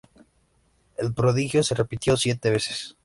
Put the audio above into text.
El prodigio se repitió ¡siete veces!